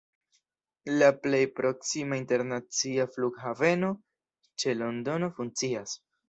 La plej proksima internacia flughaveno ĉe Londono funkcias.